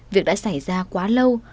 việc đã xảy ra quá lâu